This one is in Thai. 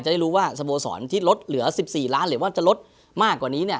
จะได้รู้ว่าสโมสรที่ลดเหลือ๑๔ล้านหรือว่าจะลดมากกว่านี้เนี่ย